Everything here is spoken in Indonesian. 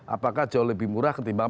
apakah jauh lebih murah ketimbang